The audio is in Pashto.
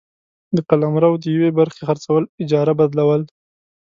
د قلمرو د یوې برخي خرڅول ، اجاره ، بدلول،